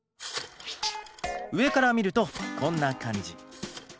上から見るとこんな感じ。